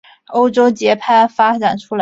欧洲节拍发展出来。